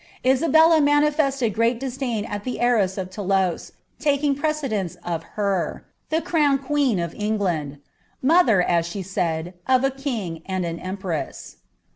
Isabclb manifested great disdain at the heiress of Thoulonse* liking precedence of her, the crowned queen of England — mother, ea ibe nid, ofa king and an empress.